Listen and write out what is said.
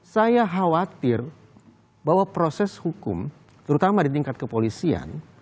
saya khawatir bahwa proses hukum terutama di tingkat kepolisian